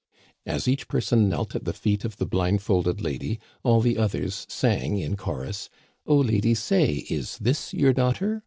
As each person knelt at the feet of the blindfolded lady, all the others sang in chorus : "Oh, lady, say, is this your daughter?